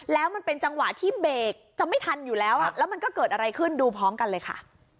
แล้วมันเป็นจังหวะที่เบรกจะไม่ทันอยู่แล้วแล้วมันก็เกิดอะไรขึ้นดูพร้อมกันเลยค่ะ